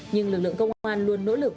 nhưng lực lượng công an luôn nỗ lực